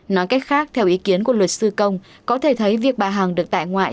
nói cách khác theo ý kiến của luật sư công có thể thấy việc bà hằng được tại ngoại